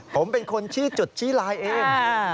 ผมเป็นคนชี้จุดชี้ลายเอง